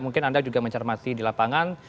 mungkin anda juga mencermati di lapangan